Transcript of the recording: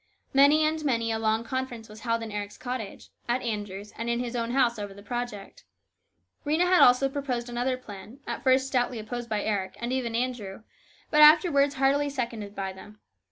Many and many a long conference was held in Eric's cottage, at Andrew's, and in his own house over the project. Rhena had also proposed another plan, at first stoutly opposed by Eric, and even Andrew, but afterwards heartily seconded by them.